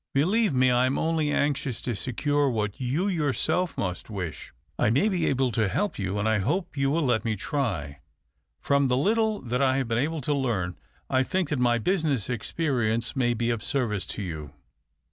Believe me, I am only anxious to secure what you yourself must wish. I may be able to help you, and I hope you will let me try. From the little that I have been able to learn, I think that my business experience may be of service to you."